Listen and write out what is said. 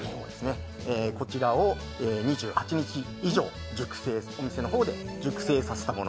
こちらを２８日以上お店の方で熟成させたもの